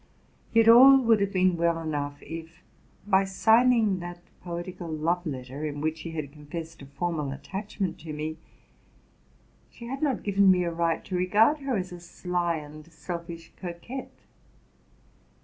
Yet all would have been well enough, if by signing that poetical love letter, in which she had confessed a formal attachment to me, she had not given me a right to regard her as a sly and selfish coquette.